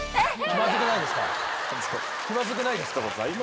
気まずくないですか。